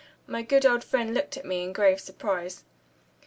My good old friend looked at me in grave surprise.